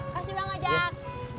kasih banget jak